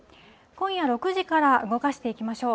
今夜６時から動かしていきましょう。